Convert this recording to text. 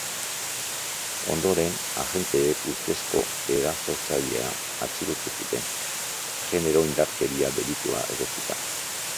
Ondoren, agenteek ustezko erasotzailea atxilotu zuten, genero indarkeria delitua egotzita.